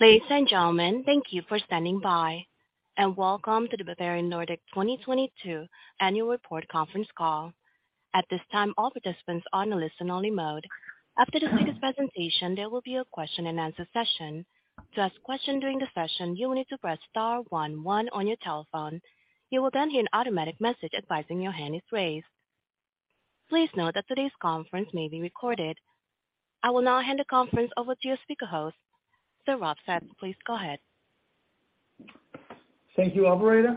Ladies and gentlemen, thank you for standing by. Welcome to the Bavarian Nordic 2022 Annual Report Conference Call. At this time, all participants are on listen only mode. After the speaker's presentation, there will be a question and answer session. To ask a question during the session, you'll need to press star one one on your telephone. You will hear an automatic message advising your hand is raised. Please note that today's conference may be recorded. I will now hand the conference over to your speaker host. Rolf Sass Sørensen, please go ahead. Thank you, operator,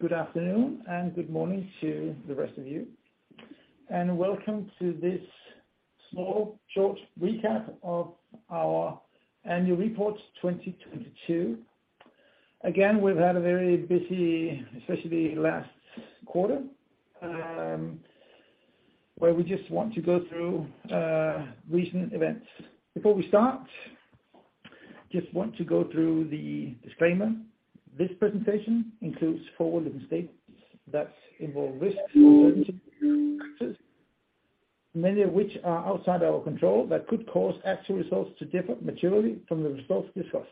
good afternoon and good morning to the rest of you. Welcome to this small short recap of our annual report 2022. Again, we've had a very busy, especially last quarter, where we just want to go through recent events. Before we start, just want to go through the disclaimer. This presentation includes forward-looking statements that involve risks or uncertainty factors, many of which are outside our control that could cause actual results to differ materially from the results discussed.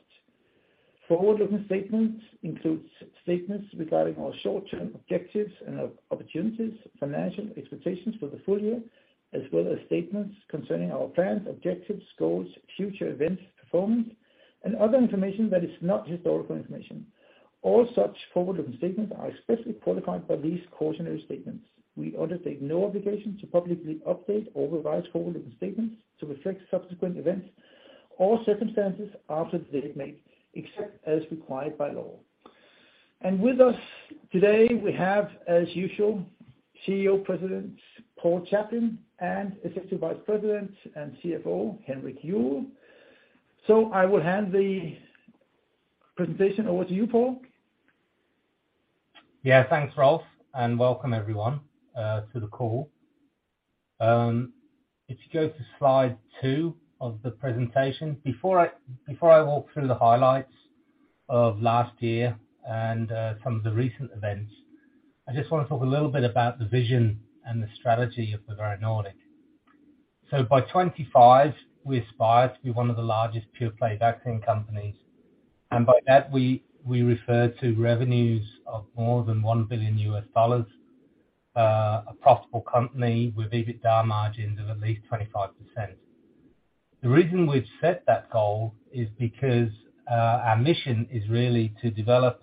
Forward-looking statements includes statements regarding our short-term objectives and opportunities, financial expectations for the full year, as well as statements concerning our plans, objectives, goals, future events, performance, and other information that is not historical information. All such forward-looking statements are expressly qualified by these cautionary statements. We undertake no obligation to publicly update or revise forward-looking statements to reflect subsequent events or circumstances after they are made, except as required by law. With us today, we have, as usual, CEO President, Paul Chaplin, and Executive Vice President and CFO, Henrik Juuel. I will hand the presentation over to you, Paul. Yeah. Thanks, Rolf, and welcome everyone to the call. If you go to slide two of the presentation. Before I walk through the highlights of last year and some of the recent events, I just wanna talk a little bit about the vision and the strategy of Bavarian Nordic. By 2025, we aspire to be one of the largest pure play vaccine companies. By that, we refer to revenues of more than $1 billion, a profitable company with EBITDA margins of at least 25%. The reason we've set that goal is because our mission is really to develop,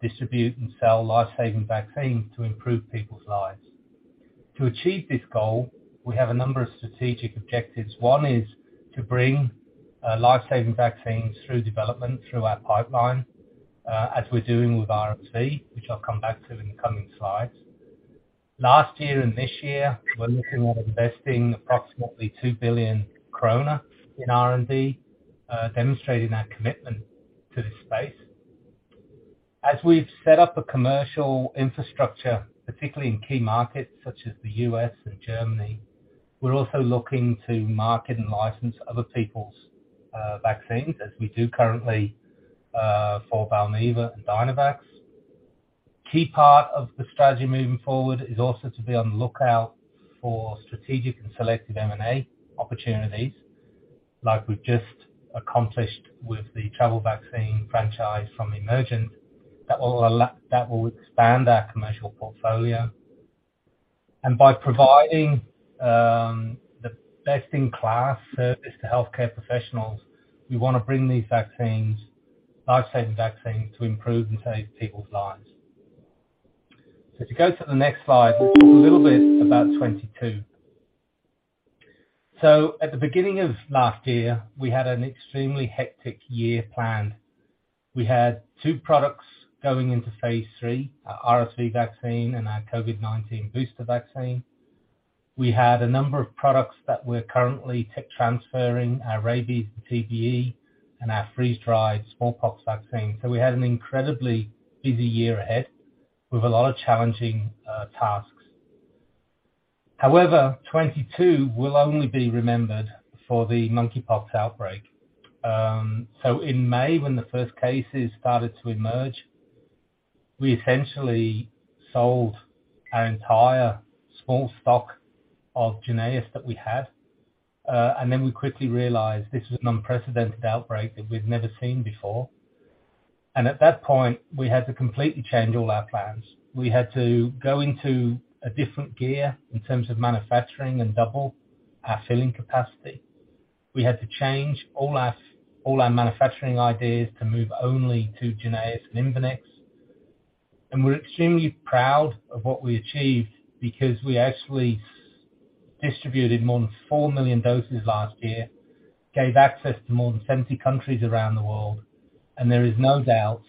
distribute, and sell life-saving vaccines to improve people's lives. To achieve this goal, we have a number of strategic objectives. One is to bring life-saving vaccines through development through our pipeline, as we're doing with RSV, which I'll come back to in the coming slides. Last year and this year, we're looking at investing approximately 2 billion kroner in R&D, demonstrating our commitment to this space. As we've set up a commercial infrastructure, particularly in key markets such as the U.S. and Germany, we're also looking to market and license other people's vaccines as we do currently for Valneva and Dynavax. Key part of the strategy moving forward is also to be on the lookout for strategic and selective M&A opportunities, like we've just accomplished with the travel vaccine franchise from Emergent. That will expand our commercial portfolio. By providing the best-in-class service to healthcare professionals, we wanna bring these vaccines, life-saving vaccines to improve and save people's lives. If you go to the next slide, we'll talk a little bit about 2022. At the beginning of last year, we had an extremely hectic year planned. We had two products going into phase III, our RSV vaccine and our COVID-19 booster vaccine. We had a number of products that we're currently transferring, our rabies, TBE, and our freeze-dried smallpox vaccine. We had an incredibly busy year ahead with a lot of challenging tasks. However, 2022 will only be remembered for the mpox outbreak. In May, when the first cases started to emerge, we essentially sold our entire small stock of JYNNEOS that we had, and then we quickly realized this was an unprecedented outbreak that we've never seen before. At that point, we had to completely change all our plans. We had to go into a different gear in terms of manufacturing and double our filling capacity. We had to change all our manufacturing ideas to move only to JYNNEOS and Imvanex. We're extremely proud of what we achieved because we actually distributed more than 4 million doses last year, gave access to more than 70 countries around the world, there is no doubt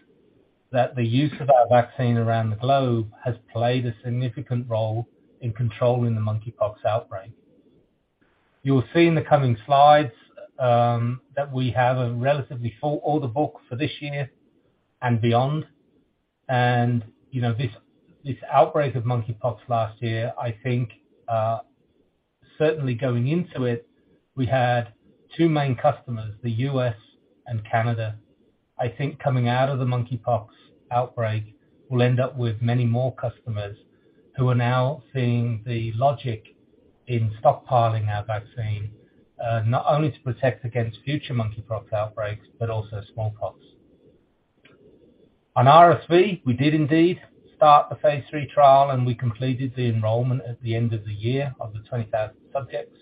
that the use of our vaccine around the globe has played a significant role in controlling the monkeypox outbreak. You'll see in the coming slides that we have a relatively full order book for this year and beyond. You know, this outbreak of monkeypox last year, I think, certainly going into it, we had two main customers, the U.S. and Canada. I think coming out of the monkeypox outbreak, we'll end up with many more customers who are now seeing the logic in stockpiling our vaccine, not only to protect against future monkeypox outbreaks, but also smallpox. On RSV, we did indeed start the phase III trial, and we completed the enrollment at the end of the year of the 20,000 subjects.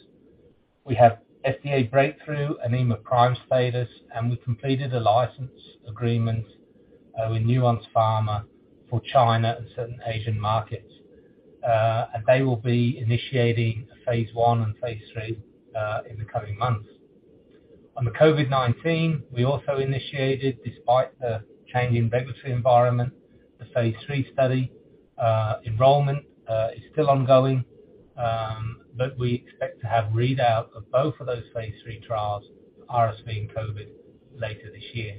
We have FDA breakthrough and EMA PRIME status, and we completed a license agreement with Nuance Pharma for China and certain Asian markets. And they will be initiating a phase I and phase III in the coming months. On the COVID-19, we also initiated, despite the change in regulatory environment, the phase III study. Enrollment is still ongoing, but we expect to have readout of both of those phase III trials, RSV and COVID-19, later this year.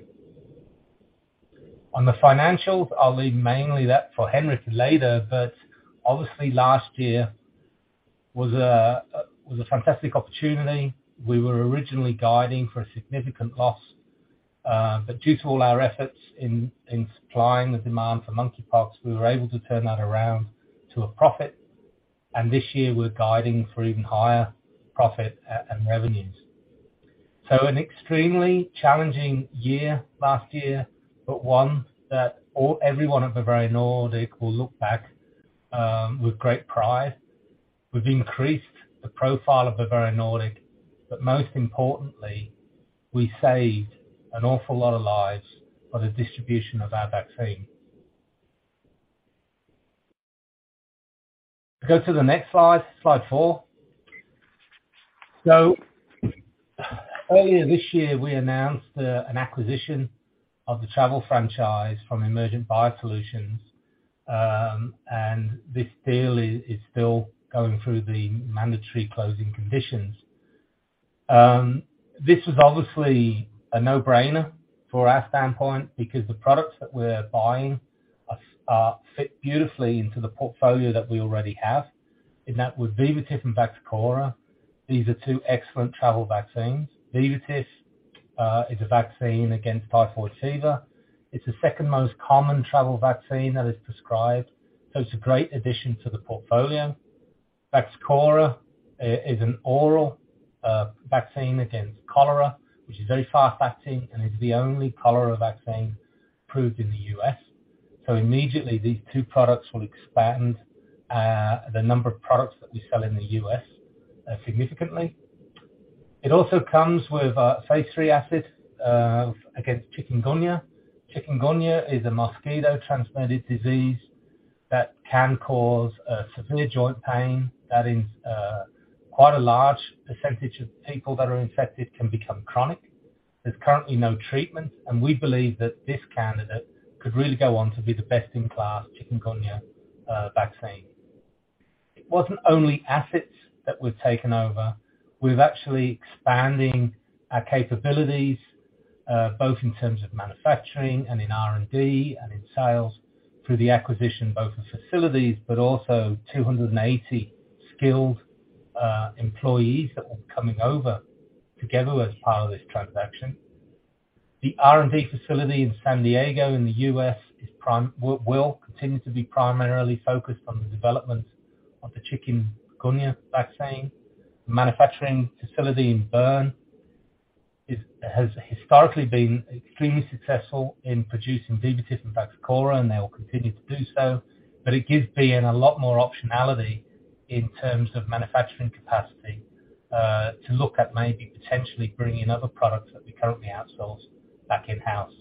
On the financials, I'll leave mainly that for Henrik later. Obviously last year was a fantastic opportunity. We were originally guiding for a significant loss. Due to all our efforts in supplying the demand for mpox, we were able to turn that around to a profit. This year we're guiding for even higher profit and revenues. An extremely challenging year last year, but one that everyone at Bavarian Nordic will look back with great pride. We've increased the profile of Bavarian Nordic. Most importantly, we saved an awful lot of lives by the distribution of our vaccine. Go to the next slide four. Earlier this year, we announced an acquisition of the travel franchise from Emergent BioSolutions, and this deal is still going through the mandatory closing conditions. This is obviously a no-brainer for our standpoint because the products that we're buying fit beautifully into the portfolio that we already have, and that was Vivotif and Vaxchora. These are two excellent travel vaccines. Vivotif is a vaccine against typhoid fever. It's the second most common travel vaccine that is prescribed. It's a great addition to the portfolio. Vaxchora is an oral vaccine against cholera, which is very fast-acting and is the only cholera vaccine approved in the U.S. Immediately, these two products will expand the number of products that we sell in the U.S. significantly. It also comes with phase III assets against chikungunya. Chikungunya is a mosquito-transmitted disease that can cause severe joint pain. That is, quite a large percentage of people that are infected can become chronic. There's currently no treatment, we believe that this candidate could really go on to be the best-in-class chikungunya vaccine. It wasn't only assets that we've taken over. We're actually expanding our capabilities, both in terms of manufacturing and in R&D and in sales, through the acquisition both of facilities but also 280 skilled employees that will be coming over together as part of this transaction. The R&D facility in San Diego in the U.S. will continue to be primarily focused on the development of the chikungunya vaccine. The manufacturing facility in Bern has historically been extremely successful in producing Vivotif and Vaxchora, they will continue to do so. It gives BN a lot more optionality in terms of manufacturing capacity, to look at maybe potentially bringing other products that we currently outsource back in-house.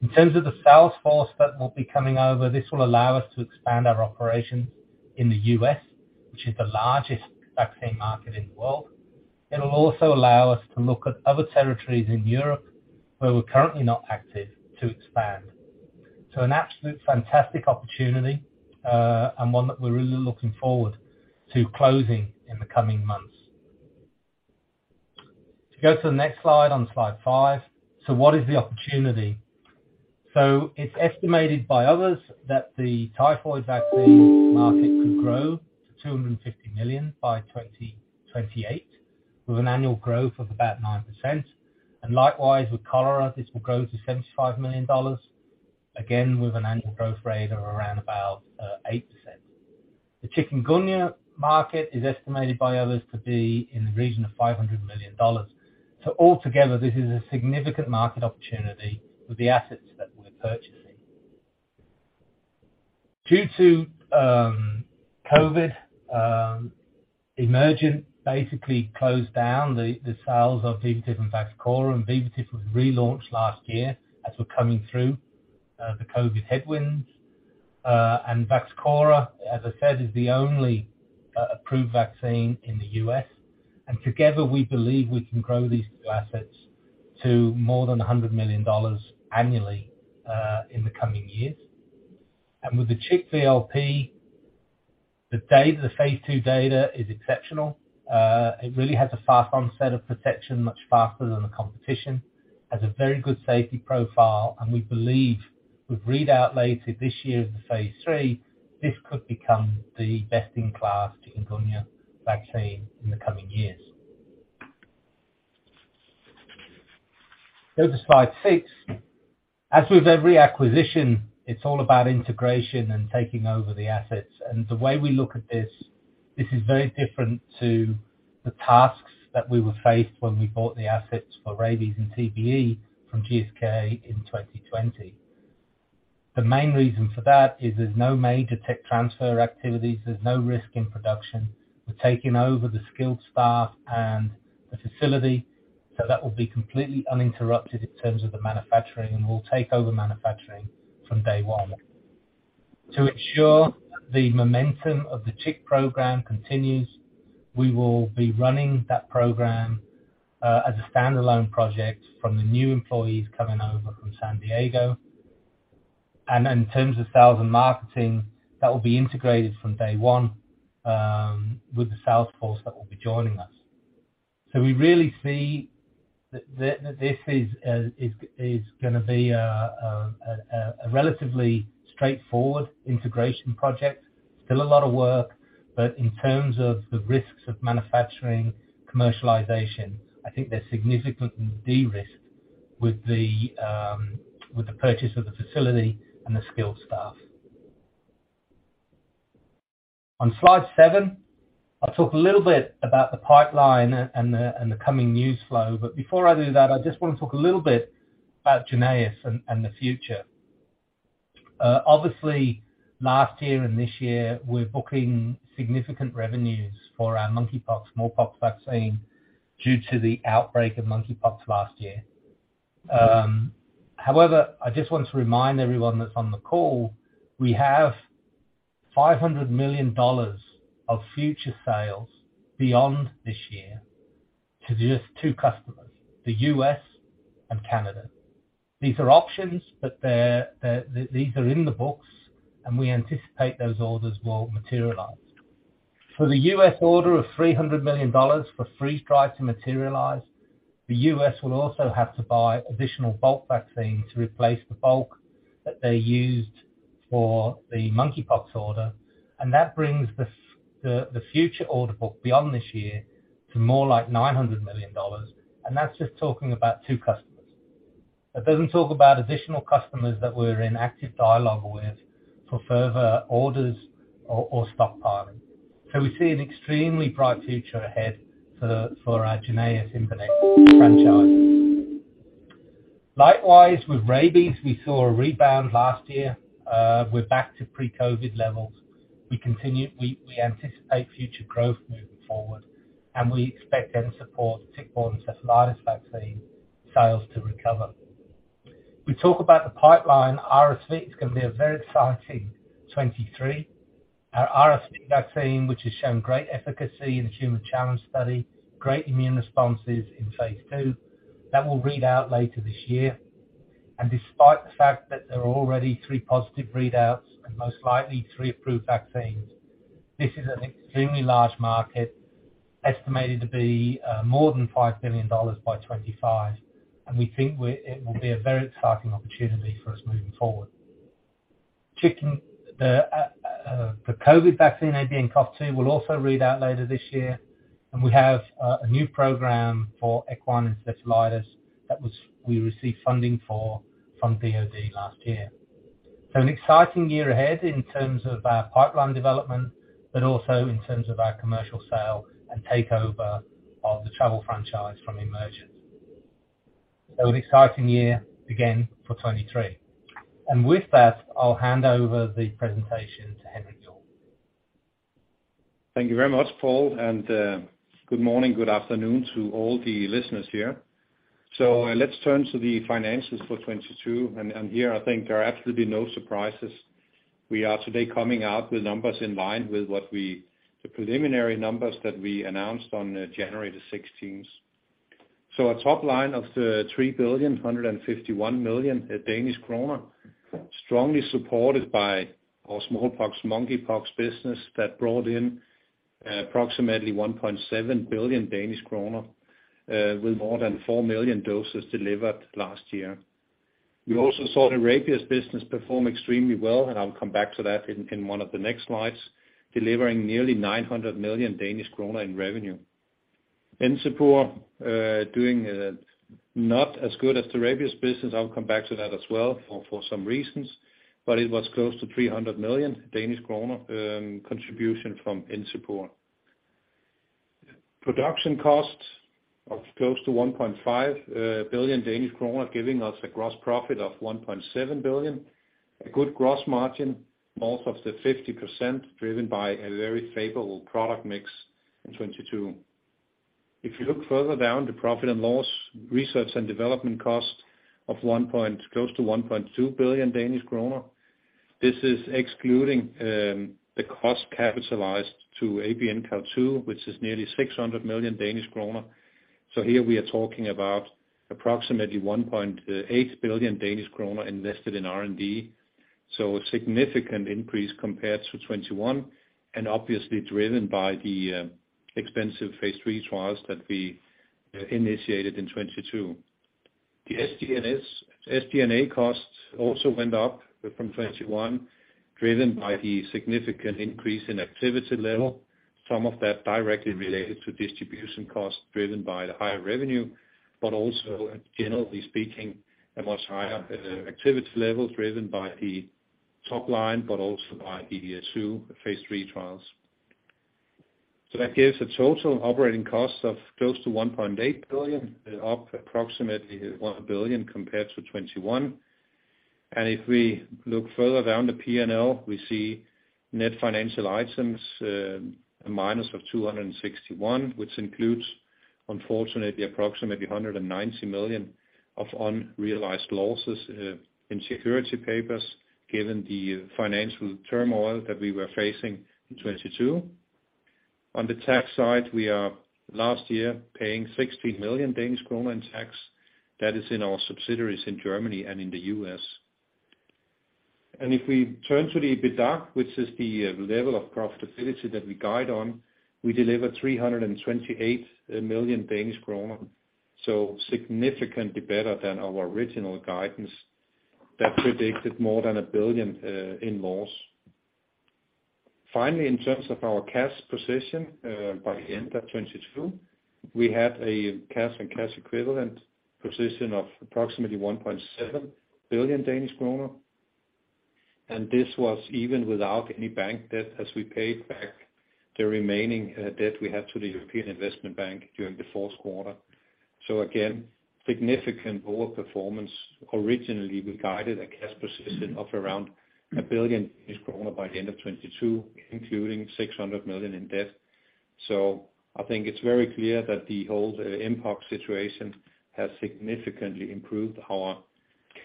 In terms of the sales force that will be coming over, this will allow us to expand our operations in the U.S., which is the largest vaccine market in the world. It'll also allow us to look at other territories in Europe where we're currently not active to expand. An absolute fantastic opportunity, and one that we're really looking forward to closing in the coming months. If you go to the next slide, on slide five. What is the opportunity? It's estimated by others that the typhoid vaccine market could grow to $250 million by 2028, with an annual growth of about 9%. Likewise, with cholera, this will grow to $75 million, again, with an annual growth rate of around about 8%. The chikungunya market is estimated by others to be in the region of $500 million. Altogether, this is a significant market opportunity with the assets that we're purchasing. Due to COVID, Emergent basically closed down the sales of Vivotif and Vaxchora, and Vivotif was relaunched last year as we're coming through the COVID headwinds. Vaxchora, as I said, is the only approved vaccine in the U.S. Together, we believe we can grow these two assets to more than $100 million annually in the coming years. With the CHIKV VLP, the phase II data is exceptional. It really has a fast onset of protection, much faster than the competition. Has a very good safety profile. We believe with readout later this year for phase III, this could become the best-in-class chikungunya vaccine in the coming years. Go to slide six. As with every acquisition, it's all about integration and taking over the assets. The way we look at this is very different to the tasks that we were faced when we bought the assets for rabies and TBE from GSK in 2020. The main reason for that is there's no major tech transfer activities. There's no risk in production. We're taking over the skilled staff and the facility, so that will be completely uninterrupted in terms of the manufacturing, and we'll take over manufacturing from day one. To ensure the momentum of the tick program continues, we will be running that program as a standalone project from the new employees coming over from San Diego. In terms of sales and marketing, that will be integrated from day one with the sales force that will be joining us. We really see that this is gonna be a relatively straightforward integration project. Still a lot of work, but in terms of the risks of manufacturing commercialization, I think they're significantly de-risked with the purchase of the facility and the skilled staff. On slide seven, I'll talk a little bit about the pipeline and the coming news flow. Before I do that, I just wanna talk a little bit about JYNNEOS and the future. Obviously, last year and this year, we're booking significant revenues for our monkeypox, smallpox vaccine due to the outbreak of monkeypox last year. However, I just want to remind everyone that's on the call, we have $500 million of future sales beyond this year to just two customers, the U.S. and Canada. These are options, but they're in the books, and we anticipate those orders will materialize. For the U.S. order of $300 million for freeze-dried to materialize, the U.S. will also have to buy additional bulk vaccine to replace the bulk that they used for the monkeypox order. That brings the future order book beyond this year to more like $900 million, and that's just talking about two customers. That doesn't talk about additional customers that we're in active dialogue with for further orders or stockpiling. We see an extremely bright future ahead for our JYNNEOS franchise. Likewise, with rabies, we saw a rebound last year. We're back to pre-COVID levels. We anticipate future growth moving forward, and we expect Encepur tick-borne encephalitis vaccine sales to recover. We talk about the pipeline. RSV is gonna be a very exciting 2023. Our RSV vaccine, which has shown great efficacy in the human challenge study, great immune responses in phase II, that will read out later this year. Despite the fact that there are already three positive readouts and most likely three approved vaccines, this is an extremely large market, estimated to be more than $5 billion by 2025. We think it will be a very exciting opportunity for us moving forward. The COVID vaccine, ABNCoV2, will also read out later this year, and we have a new program for equine encephalitis we received funding for from DoD last year. An exciting year ahead in terms of our pipeline development, but also in terms of our commercial sale and takeover of the travel franchise from Emergent. An exciting year again for 2023. With that, I'll hand over the presentation to Henrik Juuel. Thank you very much, Paul, and good morning, good afternoon to all the listeners here. Let's turn to the finances for 2022. Here I think there are absolutely no surprises. We are today coming out with numbers in line with the preliminary numbers that we announced on January 16th. A top line of 3.151 billion, strongly supported by our smallpox, mpox business that brought in approximately 1.7 billion Danish kroner, with more than 4 million doses delivered last year. We also saw the rabies business perform extremely well, and I'll come back to that in one of the next slides, delivering nearly 900 million Danish kroner in revenue. Encepur doing not as good as the rabies business. I'll come back to that as well for some reasons, but it was close to 300 million Danish kroner contribution from Encepur. Production costs of close to 1.5 billion Danish kroner, giving us a gross profit of 1.7 billion. A good gross margin, north of the 50%, driven by a very favorable product mix in 2022. If you look further down the P&L, research and development cost of close to 1.2 billion Danish kroner. This is excluding the cost capitalized to ABNCoV2, which is nearly 600 million Danish kroner. Here we are talking about approximately 1.8 billion Danish kroner invested in R&D. A significant increase compared to 2021, and obviously driven by the expensive phase III trials that we initiated in 2022. The SG&A costs also went up from 2021, driven by the significant increase in activity level. Some of that directly related to distribution costs driven by the higher revenue, but also generally speaking, a much higher activity level driven by the top line, but also by [BB-2] phase III trials. That gives a total operating cost of close to 1.8 billion, up approximately 1 billion compared to 2021. If we look further down the P&L, we see net financial items, a minus of 261 million, which includes unfortunately approximately 190 million of unrealized losses in security papers, given the financial turmoil that we were facing in 2022. On the tax side, we are last year paying 60 million Danish kroner in tax. That is in our subsidiaries in Germany and in the U.S. If we turn to the EBITDA, which is the level of profitability that we guide on, we deliver 328 million Danish kroner, so significantly better than our original guidance that predicted more than 1 billion in loss. Finally, in terms of our cash position, by the end of 2022, we had a cash and cash equivalent position of approximately 1.7 billion Danish kroner. This was even without any bank debt, as we paid back the remaining debt we had to the European Investment Bank during the fourth quarter. Again, significant over performance. Originally, we guided a cash position of around 1 billion Danish kroner by the end of 2022, including 600 million in debt. I think it's very clear that the whole mpox situation has significantly improved our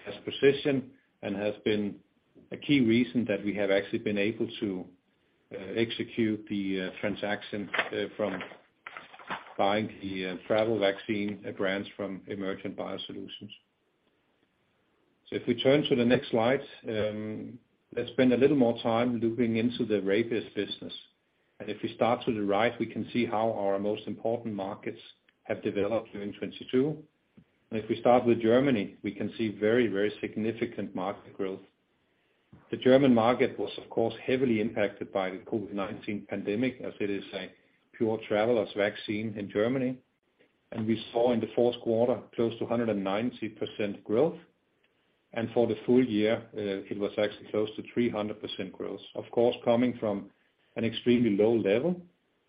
cash position and has been a key reason that we have actually been able to execute the transaction from buying the travel vaccine grants from Emergent BioSolutions. If we turn to the next slide, let's spend a little more time looping into the rabies business. If we start to the right, we can see how our most important markets have developed during 2022. If we start with Germany, we can see very, very significant market growth. The German market was of course heavily impacted by the COVID-19 pandemic, as it is a pure travelers vaccine in Germany. We saw in the fourth quarter close to 190% growth. For the full year, it was actually close to 300% growth. Of course, coming from an extremely low level,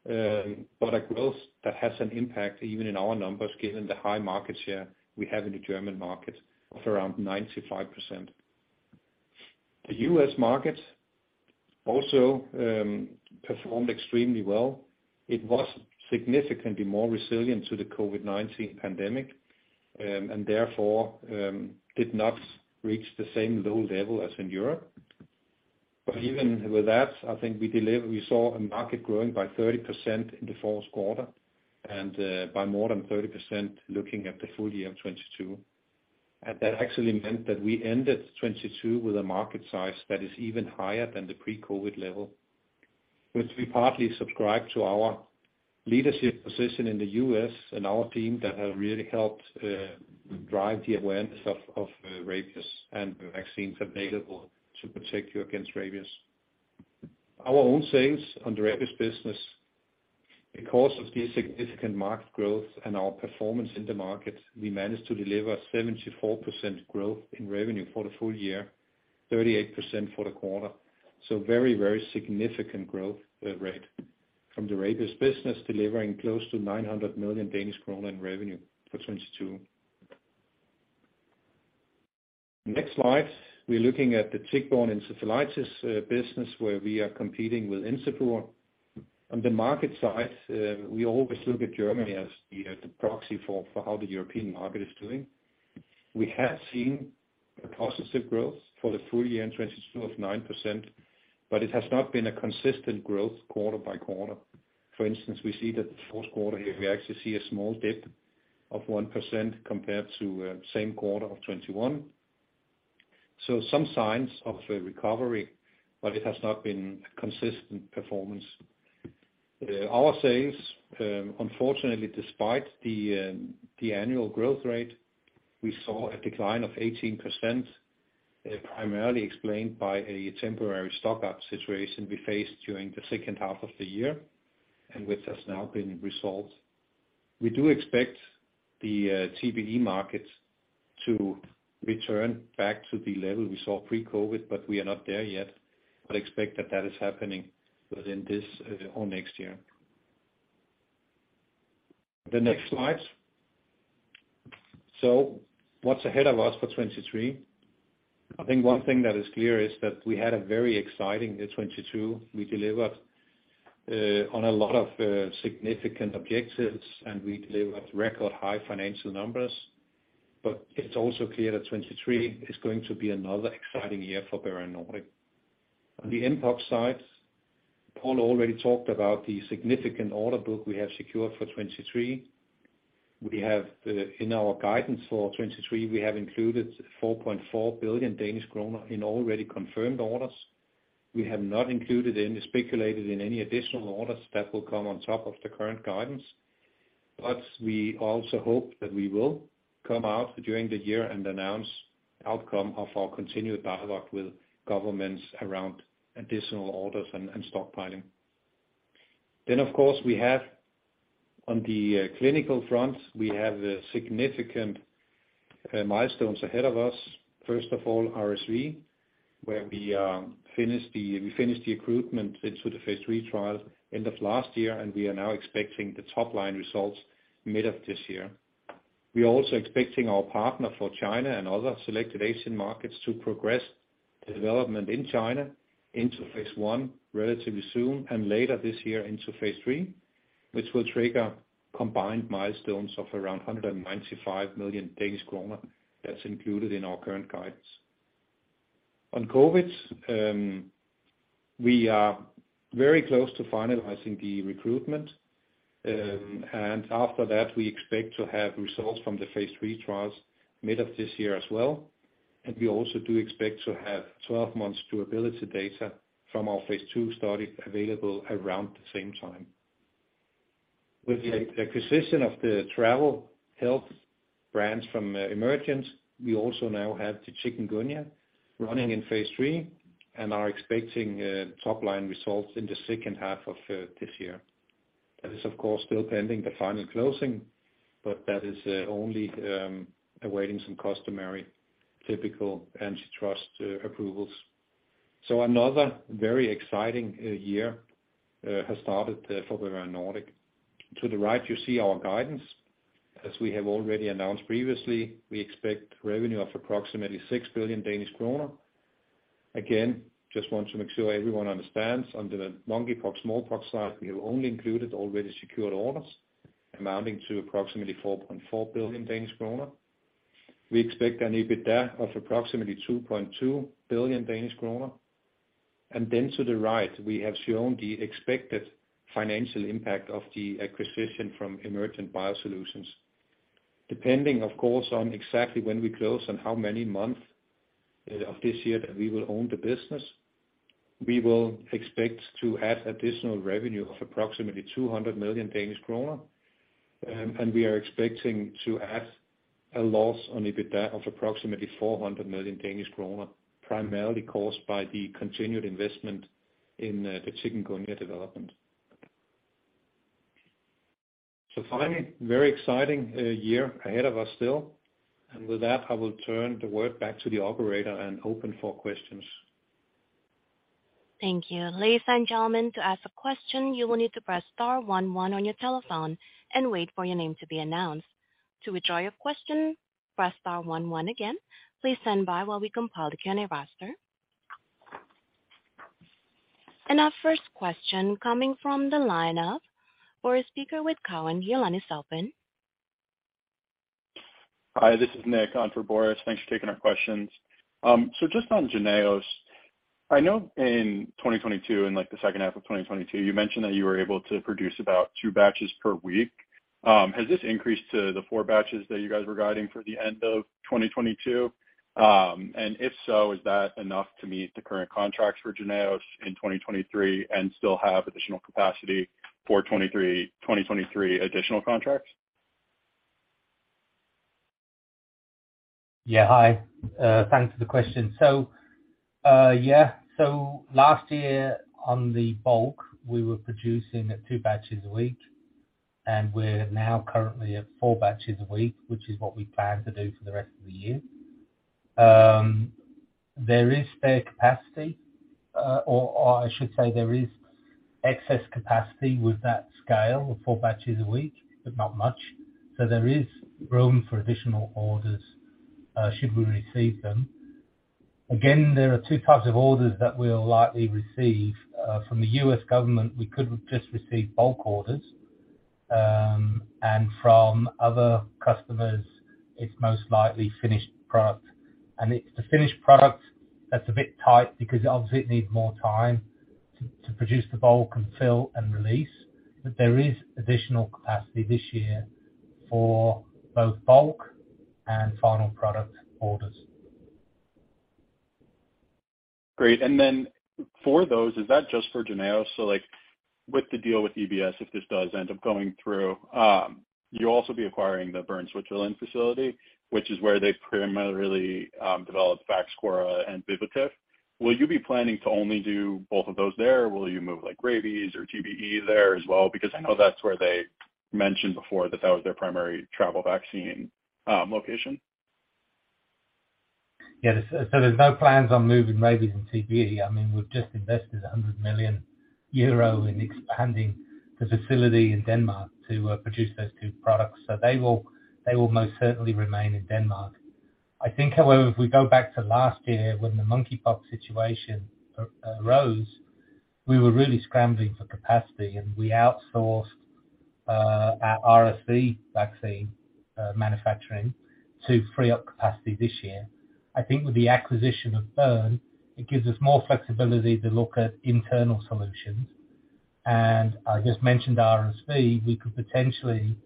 but a growth that has an impact even in our numbers, given the high market share we have in the German market of around 95%. The US market also performed extremely well. It was significantly more resilient to the COVID-19 pandemic, and therefore, did not reach the same low level as in Europe. Even with that, I think we saw a market growing by 30% in the fourth quarter and by more than 30% looking at the full year of 2022. That actually meant that we ended 2022 with a market size that is even higher than the pre-COVID level, which we partly subscribe to our leadership position in the U.S. and our team that have really helped drive the awareness of rabies and vaccines available to protect you against rabies. Our own sales on the rabies business, because of the significant market growth and our performance in the market, we managed to deliver 74% growth in revenue for the full year, 38% for the quarter. Very, very significant growth rate from the rabies business, delivering close to 900 million Danish kroner in revenue for 2022. Next slide, we're looking at the tick-borne encephalitis business, where we are competing with Encepur. On the market side, we always look at Germany as the proxy for how the European market is doing. We have seen a positive growth for the full year in 2022 of 9%, but it has not been a consistent growth quarter by quarter. For instance, we see that the fourth quarter here, we actually see a small dip of 1% compared to same quarter of 2021. Some signs of a recovery, but it has not been a consistent performance. Our sales, unfortunately despite the annual growth rate, we saw a decline of 18%, primarily explained by a temporary stock up situation we faced during the second half of the year, and which has now been resolved. We do expect the TBE market to return back to the level we saw pre-COVID, but we are not there yet. Expect that that is happening within this or next year. The next slide. What's ahead of us for 2023? I think one thing that is clear is that we had a very exciting year 2022. We delivered on a lot of significant objectives, and we delivered record high financial numbers. It's also clear that 2023 is going to be another exciting year for Bavarian Nordic. On the mpox side, Paul already talked about the significant order book we have secured for 2023. We have in our guidance for 2023, we have included 4.4 billion Danish kroner in already confirmed orders. We have not included any speculated in any additional orders that will come on top of the current guidance. We also hope that we will come out during the year and announce outcome of our continued dialogue with governments around additional orders and stockpiling. Of course, we have on the clinical front, we have significant milestones ahead of us. First of all, RSV, where we finished the recruitment into the phase III trial end of last year, and we are now expecting the top-line results mid of this year. We are also expecting our partner for China and other selected Asian markets to progress the development in China into phase I relatively soon and later this year into phase III, which will trigger combined milestones of around 195 million Danish kroner. That's included in our current guidance. On COVID, we are very close to finalizing the recruitment. After that, we expect to have results from the phase III trials mid of this year as well. We also do expect to have 12 months durability data from our phase II study available around the same time. With the acquisition of the travel health brands from Emergent, we also now have the chikungunya running in phase III and are expecting top-line results in the second half of this year. That is, of course, still pending the final closing, but that is only awaiting some customary typical antitrust approvals. Another very exciting year has started for Bavarian Nordic. To the right you see our guidance. As we have already announced previously, we expect revenue of approximately 6 billion Danish kroner. Just want to make sure everyone understands under the monkeypox smallpox side, we have only included already secured orders amounting to approximately 4.4 billion Danish kroner. We expect an EBITDA of approximately 2.2 billion Danish kroner. To the right, we have shown the expected financial impact of the acquisition from Emergent BioSolutions. Depending, of course, on exactly when we close and how many months of this year that we will own the business, we will expect to have additional revenue of approximately 200 million Danish kroner. We are expecting to have a loss on EBITDA of approximately 400 million Danish kroner, primarily caused by the continued investment in the chikungunya development. Finally, very exciting year ahead of us still. With that, I will turn the word back to the operator and open for questions. Thank you. Ladies and gentlemen, to ask a question, you will need to press star one one on your telephone and wait for your name to be announced. To withdraw your question, press star one one again. Please stand by while we compile the Q&A roster. Our first question coming from the line of Boris Peaker with Cowen. Your line is open. Hi, this is Nick on for Boris Peaker. Thanks for taking our questions. Just on JYNNEOS, I know in 2022, in like the second half of 2022, you mentioned that you were able to produce about 2 batches per week. Has this increased to the four batches that you guys were guiding for the end of 2022? If so, is that enough to meet the current contracts for JYNNEOS in 2023 and still have additional capacity for 2023 additional contracts? Yeah. Hi, thanks for the question. Last year on the bulk, we were producing two batches a week, and we're now currently at four batches a week, which is what we plan to do for the rest of the year. There is spare capacity, or I should say there is excess capacity with that scale of four batches a week, but not much. There is room for additional orders, should we receive them. Again, there are two types of orders that we'll likely receive from the U.S. government we could just receive bulk orders. From other customers, it's most likely finished product. It's the finished product that's a bit tight because obviously it needs more time to produce the bulk and fill and release. There is additional capacity this year for both bulk and final product orders. Great. For those, is that just for JYNNEOS? Like with the deal with EBS, if this does end up going through, you'll also be acquiring the Bern, Switzerland facility, which is where they primarily developed Vaxchora and Vivotif. Will you be planning to only do both of those there or will you move like rabies or TBE there as well? I know that's where they mentioned before that that was their primary travel vaccine location. There's no plans on moving rabies and TBE. I mean, we've just invested 100 million euro in expanding the facility in Denmark to produce those two products. They will most certainly remain in Denmark. I think, however, if we go back to last year when the monkeypox situation arose, we were really scrambling for capacity, and we outsourced our RSV vaccine manufacturing to free up capacity this year. I think with the acquisition of Bern, it gives us more flexibility to look at internal solutions. I just mentioned RSV, we could potentially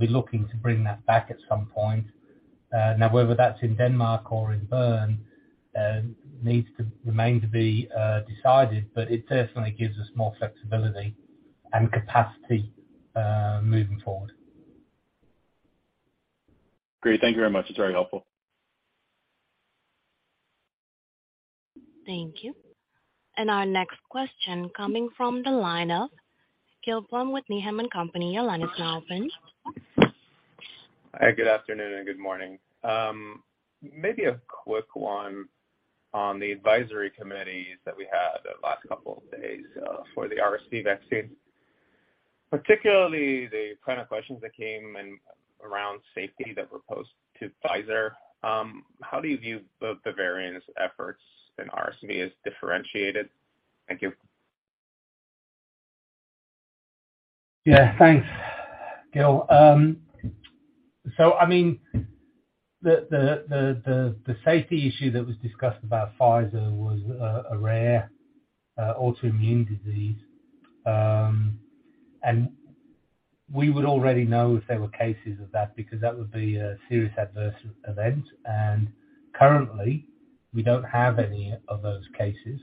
be looking to bring that back at some point. Now whether that's in Denmark or in Bern, needs to remain to be decided, but it certainly gives us more flexibility and capacity moving forward. Great. Thank you very much. It's very helpful. Thank you. Our next question coming from the line of Gil Blum with Needham & Company. Your line is now open. Hi. Good afternoon and good morning. Maybe a quick one on the advisory committees that we had the last couple of days for the RSV vaccine. Particularly the kind of questions that came in around safety that were posed to Pfizer. How do you view the Bavarian's efforts in RSV as differentiated? Thank you. Thanks, Gil. I mean, the safety issue that was discussed about Pfizer was a rare autoimmune disease. We would already know if there were cases of that because that would be a serious adverse event. Currently, we don't have any of those cases.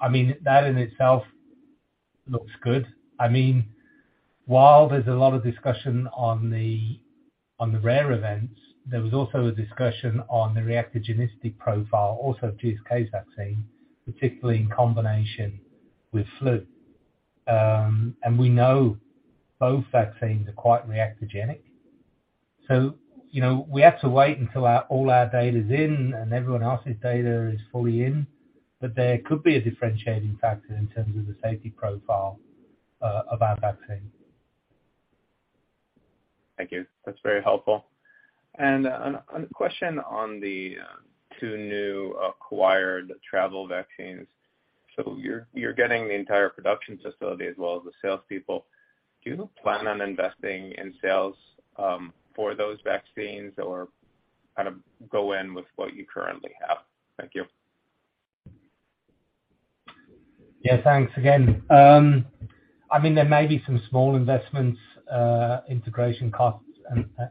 I mean, that in itself looks good. I mean, while there's a lot of discussion on the rare events, there was also a discussion on the reactogenicity profile also of GSK's vaccine, particularly in combination with flu. We know both vaccines are quite reactogenic. You know, we have to wait until all our data's in and everyone else's data is fully in, but there could be a differentiating factor in terms of the safety profile of our vaccine. Thank you. That's very helpful. Another question on the two new acquired travel vaccines. You're getting the entire production facility as well as the sales people. Do you plan on investing in sales for those vaccines or kind of go in with what you currently have? Thank you. Yeah. Thanks again. I mean, there may be some small investments, integration costs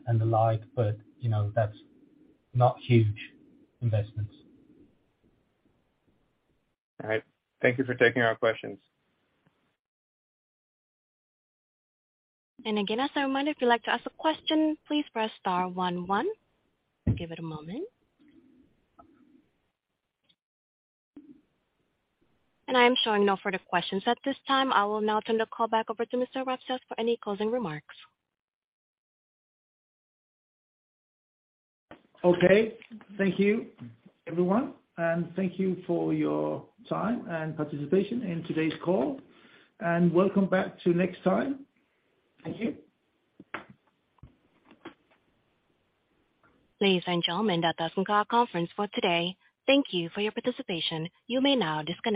and the like, but, you know, that's not huge investments. All right. Thank you for taking our questions. Again, as a reminder, if you'd like to ask a question, please press star one one. Give it a moment. I am showing no further questions at this time. I will now turn the call back over to Mr. Sørensen for any closing remarks. Okay. Thank you, everyone, and thank you for your time and participation in today's call. Welcome back to next time. Thank you. Ladies and gentlemen, that does end our conference for today. Thank you for your participation. You may now disconnect.